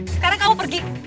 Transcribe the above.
sekarang kamu pergi